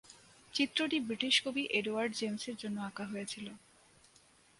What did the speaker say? চিত্রটি ব্রিটিশ কবি এডওয়ার্ড জেমসের জন্য আঁকা হয়েছিল।